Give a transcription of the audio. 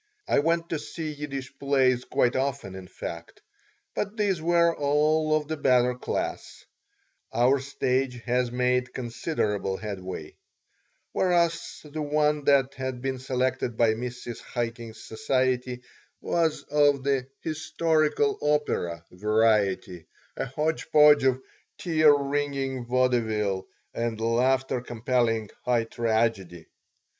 I went to see Yiddish plays quite often, in fact, but these were all of the better class (our stage has made considerable headway), whereas the one that had been selected by Mrs. Chaikin's society was of the "historical opera" variety, a hodge podge of "tear wringing" vaudeville and "laughter compelling" high tragedy.